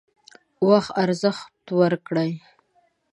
وخت ارزښت ورکړئ